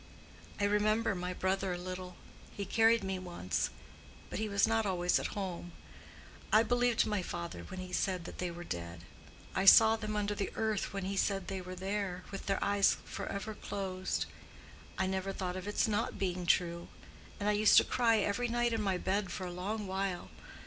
I remember my brother a little; he carried me once; but he was not always at home. I believed my father when he said that they were dead. I saw them under the earth when he said they were there, with their eyes forever closed. I never thought of its not being true; and I used to cry every night in my bed for a long while.